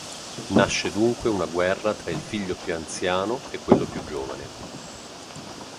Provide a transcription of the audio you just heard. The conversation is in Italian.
Nasce dunque una guerra tra il figlio più anziano e quello più giovane.